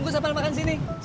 nih yang namanya ojak